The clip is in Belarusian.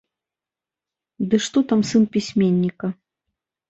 Ды што там сын пісьменніка.